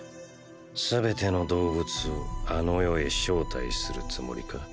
全ての動物をあの世へ招待するつもりか。